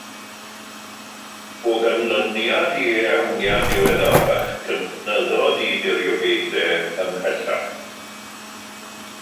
O ganlyniad i ehangiad diweddarach, cynyddodd ei diriogaethau ymhellach.